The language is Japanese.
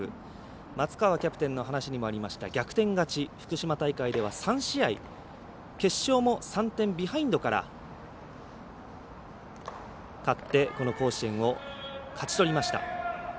松川キャプテンの話にもありました逆転勝ち、福島大会では３試合決勝も３点ビハインドから勝って甲子園を勝ち取りました。